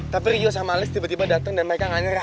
tapi rio sama alis tiba tiba datang dan mereka gak nyerah